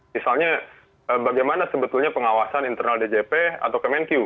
misalnya bagaimana sebetulnya pengawasan internal djp atau kemenkyu